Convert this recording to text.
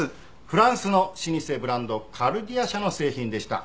フランスの老舗ブランドカルデア社の製品でした。